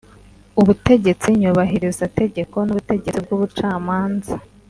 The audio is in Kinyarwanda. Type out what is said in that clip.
Ubutegetsi Nyubahirizategeko n’Ubutegetsi bw’Ubucamanza